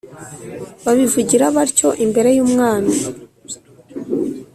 Babivugira batyo imbere y umwami